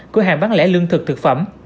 của hàng bán lễ lương thực thực phẩm